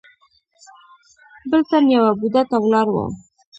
بل تن يوه بوډا ته ولاړ و.